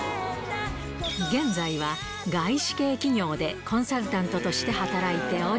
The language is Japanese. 現在は外資系企業でコンサルタントとして働いており。